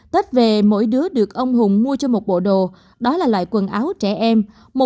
tết về mỗi đứa được ông hùng mua cho một bộ đồ đó là loại quần áo trẻ em